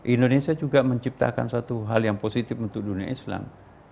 indonesia juga menciptakan suatu hal yang positif untuk dunia islam